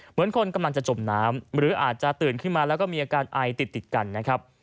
เหมือนคนกำลังจะจมน้ำหรืออาจจะตื่นขึ้นมาแล้วก็มีอาการไอติดติดกันนะครับ